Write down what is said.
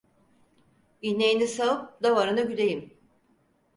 İneğini sağıp davarını güdeyim…